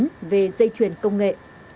nói về dây chuyển công nghệ